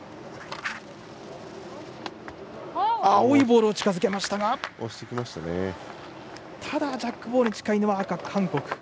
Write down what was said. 青いボールを近づけましたがただジャックボールに近いのは赤の韓国。